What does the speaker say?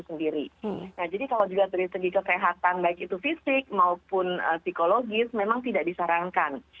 nah jadi kalau juga dari segi kesehatan baik itu fisik maupun psikologis memang tidak disarankan